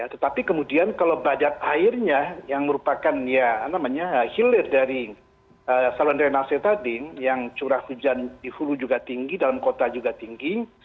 tetapi kemudian kalau badat airnya yang merupakan ya namanya hilir dari saluran drenase tadi yang curah hujan di hulu juga tinggi dalam kota juga tinggi